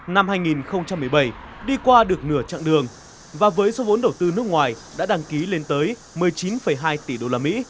năm hai nghìn một mươi bảy đi qua được nửa chặng đường và với số vốn đầu tư nước ngoài đã đăng ký lên tới một mươi chín hai tỷ usd